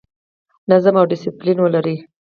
نظم او ډیسپلین ولرئ